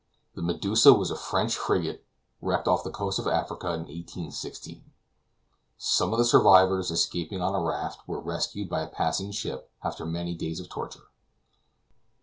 The Medusa was a French frigate wrecked off the coast of Africa in 1816. Some of the survivors, escaping on a raft, were rescued by a passing ship after many days of torture.